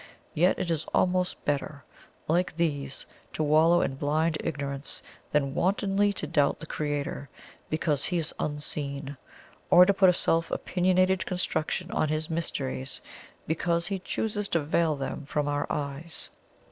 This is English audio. Yet it is almost better, like these, to wallow in blind ignorance than wantonly to doubt the Creator because He is unseen, or to put a self opinionated construction on His mysteries because He chooses to veil them from our eyes."